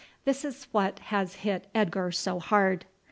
This is what has hit Edgar so hard."